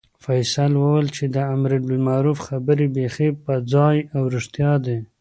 فیصل وویل چې د امربالمعروف خبرې بیخي په ځای او رښتیا دي.